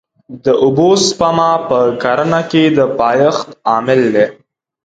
د اوبو سپما په کرنه کې د پایښت عامل دی.